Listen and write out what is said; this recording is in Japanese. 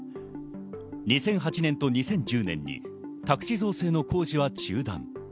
２００８年と２０１０年に宅地造成の工事は中断。